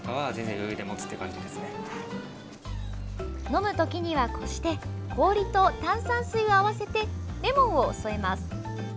飲む時には、こして氷と炭酸水を合わせてレモンを添えます。